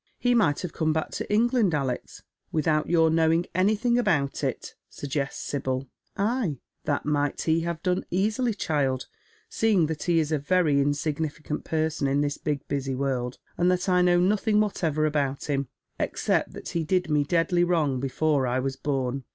" He might have come back to England, Alex, without your knowing anything about it," suggests Sibyl. " Ay, that might he have done easily, child, seeing that he is a very insignificant person in this big busy world, and that I know nothing whatever about him, except that he did me deadly wrong before I was born."